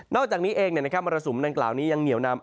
อกจากนี้เองมรสุมดังกล่าวนี้ยังเหนียวนำ